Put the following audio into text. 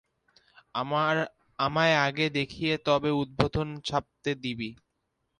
আমায় আগে দেখিয়ে তবে উদ্বোধনে ছাপতে দিবি।